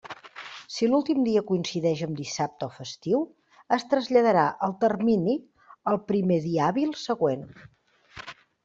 Si l'últim dia coincideix en dissabte o festiu, es traslladarà el termini al primer dia hàbil següent.